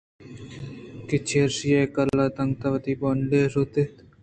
کہ چریشی ءَ آ کُل تتک ءُ وتی ہونڈاں شُت اَنت